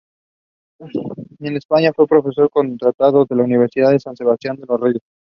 En España fue profesor contratado en la Universidad de San Sebastián de los Reyes.